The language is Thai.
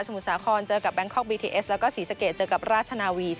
สมุทรสาธารณะโครนเจอกับบี้เทสแล้วก็ศรีสเกษเจอกับราชนะ